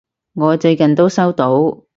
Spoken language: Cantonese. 我最近都收到！